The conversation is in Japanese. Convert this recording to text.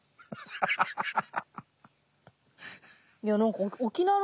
ハハハハッ。